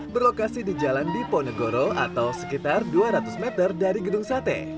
berlokasi di jalan diponegoro atau sekitar dua ratus meter dari gedung sate